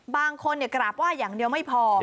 บางคนกราบไหว้อย่างเดียวไม่พอ